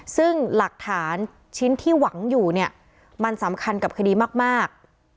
ซึ่งหลักฐานชิ้นที่หวังอยู่เนี่ยมันสำคัญกับคดีมาก